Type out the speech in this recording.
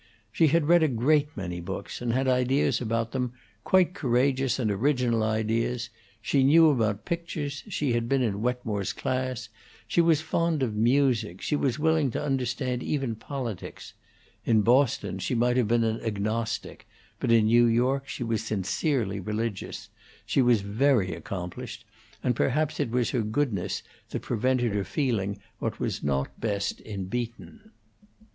She had read a great many books, and had ideas about them, quite courageous and original ideas; she knew about pictures she had been in Wetmore's class; she was fond of music; she was willing to understand even politics; in Boston she might have been agnostic, but in New York she was sincerely religious; she was very accomplished; and perhaps it was her goodness that prevented her feeling what was not best in Beaton.